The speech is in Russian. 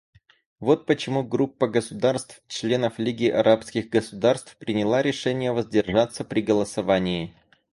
Вот почему группа государств — членов Лиги арабских государств приняла решение воздержаться при голосовании.